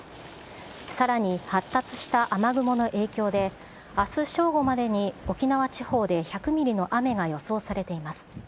さらに発達した雨雲の影響で、あす正午までに沖縄地方で１００ミリの雨が予想されています。